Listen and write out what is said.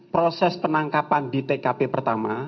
proses penangkapan di tkp pertama